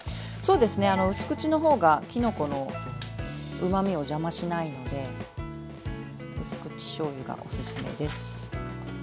うす口の方がきのこのうまみを邪魔しないのでうす口しょうゆがおすすめです。